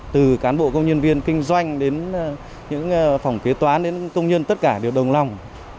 từ cán bộ công nhân viên kinh doanh đến những phòng kế toán đến công nhân tất cả đều đồng lòng